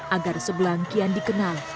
agar sebelang kian dikenal